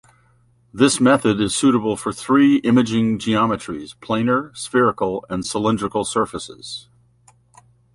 This method is suitable for three imaging geometries: planar, spherical, and cylindrical surfaces.